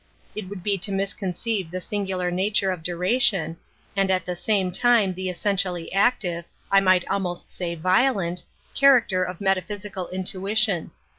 It would be to mis conceive the singular nature of duration, and at the same time the essentially active, I might almost say violent, character of metaphysical intuition.